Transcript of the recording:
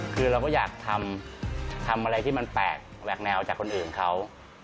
คือเราก็อยากทำอะไรที่มันแปลกแหวกแนวจากคนอื่นเขา